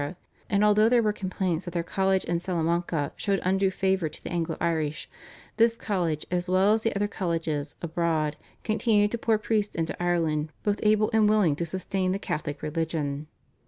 and, although there were complaints that their college in Salamanca showed undue favour to the Anglo Irish, this college as well as the other colleges abroad continued to pour priests into Ireland both able and willing to sustain the Catholic religion.